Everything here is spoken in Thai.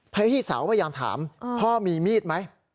พี่สาวพยายามถามพ่อมีมีดไหม